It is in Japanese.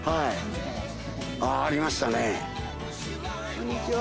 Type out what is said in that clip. こんにちは。